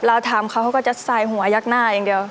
เราถามเขาเขาก็จะใส่หัวยักหน้าอย่างเดียว